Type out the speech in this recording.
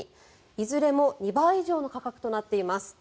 いずれも２倍以上の価格となっています。